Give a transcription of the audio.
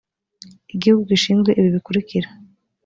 igihugu gishinzwe ibi bikurikira